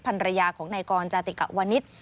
ภรรยาของนายกรจาติกะวนิษฐ์